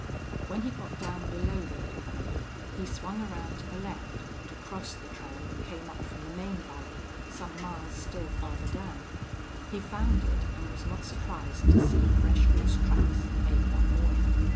When he got down below the little valley he swung around to the left to cross the trail that came up from the main valley, some miles still farther down. He found it, and was not surprised to see fresh horse tracks, made that morning.